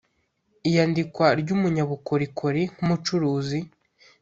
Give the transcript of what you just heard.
Iyandikwa ry umunyabukorikori nk umucuruzi